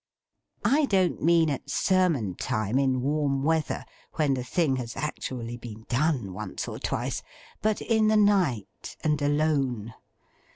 I don't mean at sermon time in warm weather (when the thing has actually been done, once or twice), but in the night, and alone.